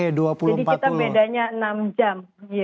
jadi kita bedanya enam jam